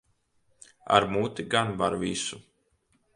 Ar muti gan var visu.